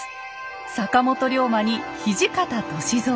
坂本龍馬に土方歳三。